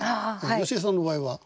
芳恵さんの場合は？